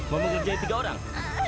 mau mengerjai tiga orang